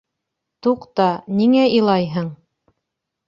Туҡта, ниңә илайһың?